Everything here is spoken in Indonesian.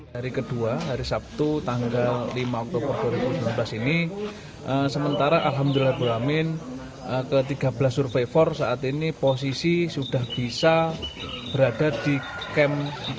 hari kedua hari sabtu tanggal lima oktober dua ribu sembilan belas ini sementara alhamdulillah gulamin ke tiga belas survivor saat ini posisi sudah bisa berada di kem empat puluh